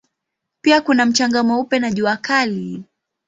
Pia kuna mchanga mweupe na jua kali.